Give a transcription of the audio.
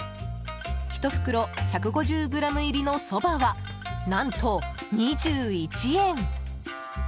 １袋１５０ｇ入りのそばは何と２１円。